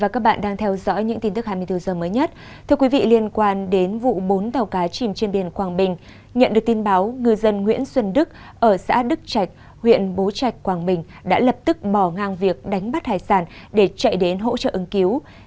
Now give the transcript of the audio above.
cảm ơn các bạn đã theo dõi